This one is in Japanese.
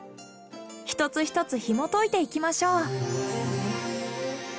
一つ一つひもといていきましょう。